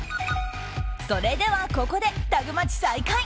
それではここでタグマチ再開。